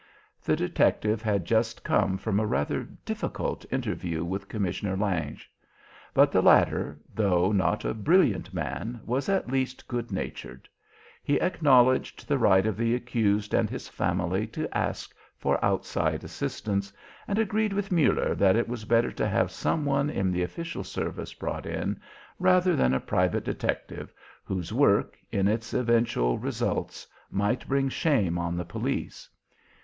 The detective had just come from a rather difficult interview with Commissioner Lange. But the latter, though not a brilliant man, was at least good natured. He acknowledged the right of the accused and his family to ask for outside assistance, and agreed with Muller that it was better to have some one in the official service brought in, rather than a private detective whose work, in its eventual results, might bring shame on the police.